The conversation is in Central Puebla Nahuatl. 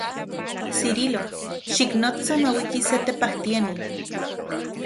Cirilo, xiknotsa mauiki se tepajtiani.